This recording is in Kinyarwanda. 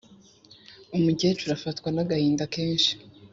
umukecuru afatwa nagahinda kenshi